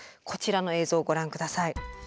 こちらの映像ご覧下さい。